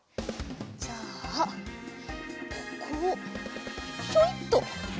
じゃあここをひょいっと。